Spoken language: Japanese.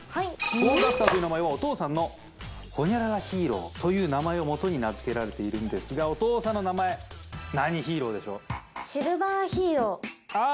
ゴールドアクターという名前はお父さんの「○○ヒーロー」という名前をもとに名づけられているんですがお父さんの名前何ヒーローでしょうああ